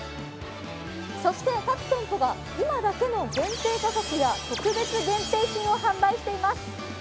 そして、各店舗が今だけの限定価格や特別限定品を販売しています。